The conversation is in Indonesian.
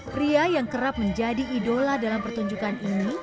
pria yang kerap menjadi idola dalam pertunjukan ini